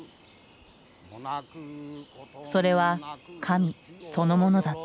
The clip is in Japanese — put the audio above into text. それは神そのものだった。